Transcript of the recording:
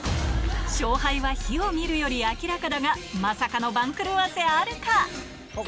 勝敗は火を見るより明らかだがまさかの番狂わせあるか